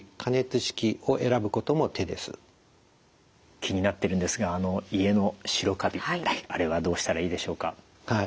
気になっているんですが家の白カビあれはどうしたらいいでしょうか？